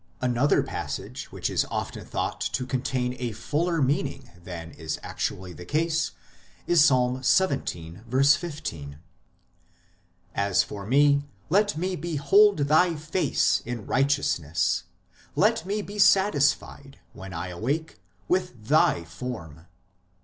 Another passage which is often thought to contain a fuller meaning than is actually the case is Ps. xvii. 15 : "As for me, let me behold Thy face in righteousness ; let me be satisfied, when I awake, with Thy form."